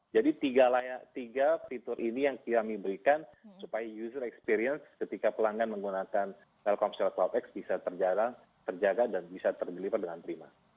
jadi tiga fitur ini yang kami berikan supaya user experience ketika pelanggan menggunakan telkomsel cloudx bisa terjaga dan bisa terdeliver dengan prima